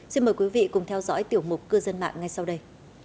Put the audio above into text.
xin mời quý vị cùng theo dõi tiểu mục cư dân mạng ngay sau đây